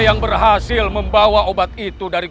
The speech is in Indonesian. yang selalu young terribly